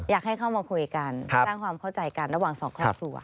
อยากให้เข้ามาคุยกันสร้างความเข้าใจกันระหว่างสองครอบครัว